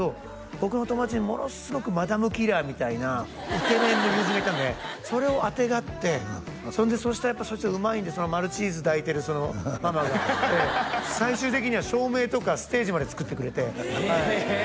僕の友達にものすごくマダムキラーみたいなイケメンの友人がいたんでそれをあてがってそんでそうしたらやっぱそいつはうまいんでマルチーズ抱いてるそのママが来て最終的には照明とかステージまで作ってくれてえ！